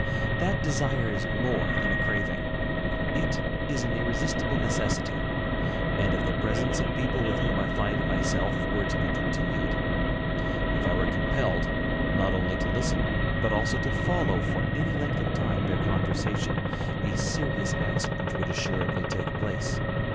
That desire is more than a craving; it is an irresistible necessity. And if the presence of people with whom I find myself were to be continued; if I were compelled, not only to listen, but also to follow, for any length of time, their conversation, a serious accident would assuredly take place.